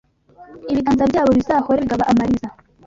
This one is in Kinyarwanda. ibiganza byabo bizahore bigaba amariza